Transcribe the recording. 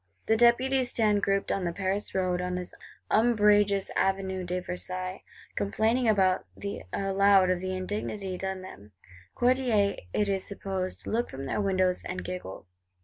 The Deputies stand grouped on the Paris Road, on this umbrageous Avenue de Versailles; complaining aloud of the indignity done them. Courtiers, it is supposed, look from their windows, and giggle.